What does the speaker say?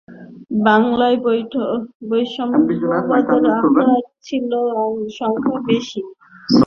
বাংলায় বৈষ্ণবদের আখড়া ছিল সংখ্যায় বেশি এবং সেগুলির প্রাধান্যও ছিল সর্বাধিক।